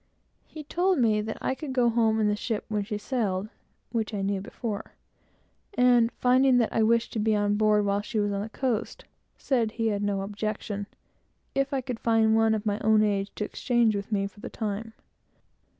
He told me that I could go home in the ship when she sailed (which I knew before); and, finding that I wished to be on board while she was on the coast, said he had no objection, if I could find one of my own age to exchange with me, for the time.